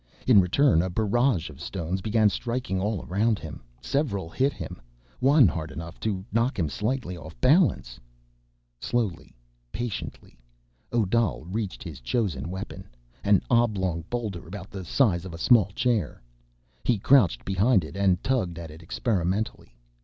In return, a barrage of stones began striking all around him. Several hit him, one hard enough to knock him slightly off balance. Slowly, patiently, Odal reached his chosen weapon—an oblong boulder, about the size of a small chair. He crouched behind it and tugged at it experimentally.